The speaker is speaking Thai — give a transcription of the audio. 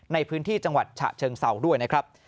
ในพื้นที่จังหวัดฉะเชิงเศร้าด้วยนะครับ